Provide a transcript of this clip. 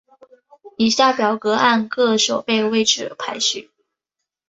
以下表格按各守备位置排序。